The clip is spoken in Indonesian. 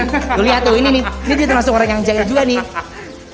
aku lihat tuh ini nih ini dia termasuk orang yang jahil juga nih